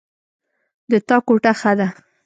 د تا کوټه ښه ده